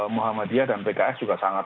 muhammadiyah dan pks juga sangat